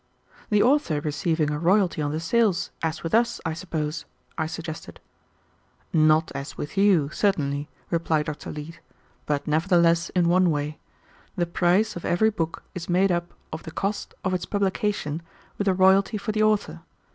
"The author receiving a royalty on the sales as with us, I suppose," I suggested. "Not as with you, certainly," replied Dr. Leete, "but nevertheless in one way. The price of every book is made up of the cost of its publication with a royalty for the author.